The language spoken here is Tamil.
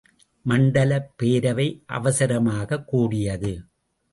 மண்டலப் பேரவை அவசரமாகக் கூடியது.